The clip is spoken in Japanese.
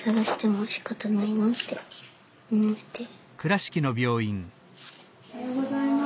おはようございます。